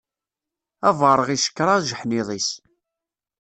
Abaṛeɣ icekkeṛ ajeḥniḍ-is.